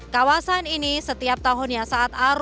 kawasan ini setiap tahunnya